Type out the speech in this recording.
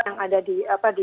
yang ada di